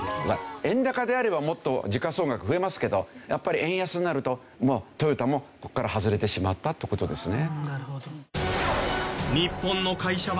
円高であればもっと時価総額増えますけどやっぱり円安になるとトヨタもここから外れてしまったって事ですね。